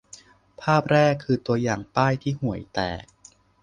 ภาพแรก คือตัวอย่างป้ายที่ห่วยแตก